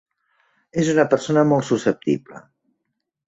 És una persona molt susceptible.